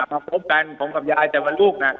พบกันผมกับยายแต่วันลูกน่ะ